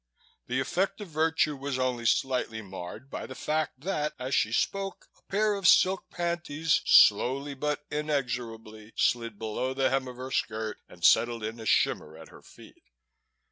The effect of virtue was only slightly marred by the fact that, as she spoke, a pair of silk panties slowly but inexorably slid below the hem of her skirt and settled in a shimmer at her feet.